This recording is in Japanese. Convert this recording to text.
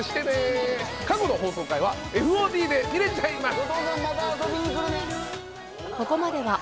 過去の放送回はＦＯＤで見れちゃいます。